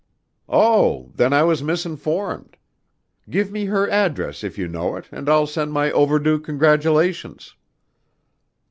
"Oh, then I was misinformed. Give me her address if you know it and I'll send my overdue congratulations."